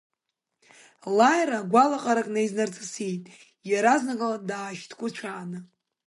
Лааира гәалаҟарак наизнарҵысит, иаразнак ала даашьҭкәыцәааны.